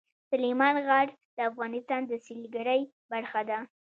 سلیمان غر د افغانستان د سیلګرۍ برخه ده.